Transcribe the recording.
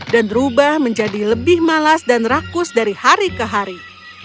dan rubah menjadi lebih malas dan rakus dari hari ke hari